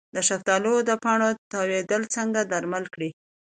د شفتالو د پاڼو تاویدل څنګه درمل کړم؟